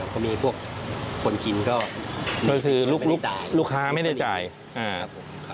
เขามีพวกคนกินก็ก็คือลูกลูกลูกลูกค้าไม่ได้จ่ายอ่า